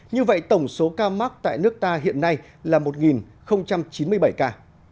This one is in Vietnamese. như vậy tổng số ca mắc tại nước ta hiện nay là một chín mươi bảy ca